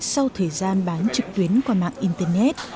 sau thời gian bán trực tuyến qua mạng internet